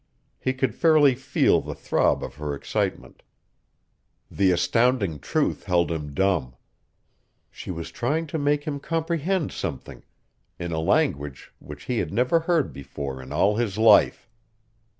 He could fairly feel the throb of her excitement. The astounding truth held him dumb. She was trying to make him comprehend something in a language which he had never heard before in all his life.